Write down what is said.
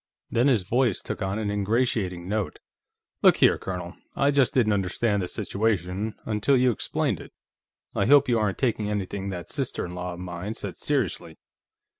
Then his voice took on an ingratiating note. "Look here, Colonel; I just didn't understand the situation, until you explained it. I hope you aren't taking anything that sister in law of mine said seriously.